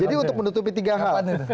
jadi untuk menutupi tiga hal